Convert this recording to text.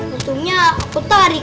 pocongnya aku tarik